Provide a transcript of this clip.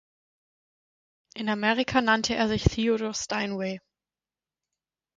In Amerika nannte er sich Theodore Steinway.